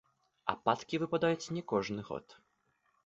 Ападкі выпадаюць не кожны год.